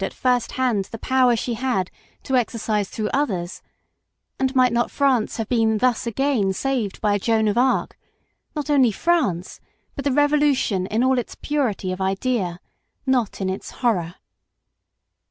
at first hand the power she had to exercise through others ; and might not France have been thus again saved by a Joan of Arc not only France, but the Revolution in all its purity of idea, not in its horror.